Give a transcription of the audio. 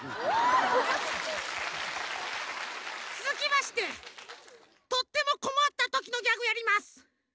つづきましてとってもこまったときのギャグやります。